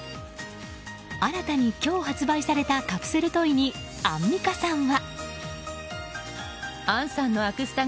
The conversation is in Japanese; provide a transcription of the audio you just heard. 新たに今日発売されたカプセルトイに、アンミカさんは。